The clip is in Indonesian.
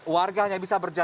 warga hanya bisa berjalan